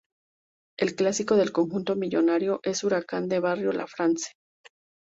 El clásico del conjunto millonario es Huracán de Barrio La France.